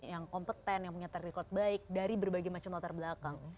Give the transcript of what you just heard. yang kompeten yang punya track record baik dari berbagai macam latar belakang